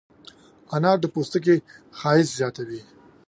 انار د پوستکي ښایست زیاتوي.